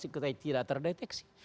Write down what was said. seorang harun masiku tidak terdeteksi